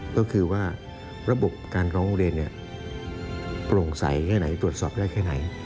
ก็คือว่าระบบการร้องเรียนโปร่งใสแค่ไหนตรวจสอบได้แค่ไหน